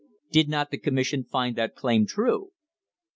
Did not the commission find that claim true